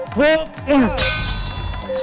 ถูก